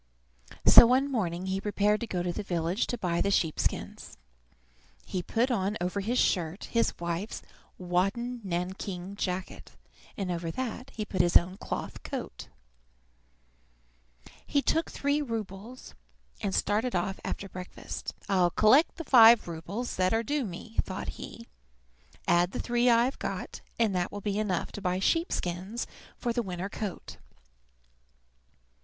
So one morning he prepared to go to the village to buy the sheep skins. He put on over his shirt his wife's wadded nankeen jacket, and over that he put his own cloth coat. He took the three rouble note in his pocket, cut himself a stick to serve as a staff, and started off after breakfast. "I'll collect the five roubles that are due to me," thought he, "add the three I have got, and that will be enough to buy sheep skins for the winter coat."